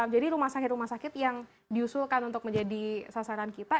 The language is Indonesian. jadi rumah sakit rumah sakit yang diusulkan untuk menjadi sasaran kita